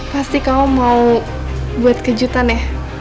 pasti kamu mau buat kejutan ya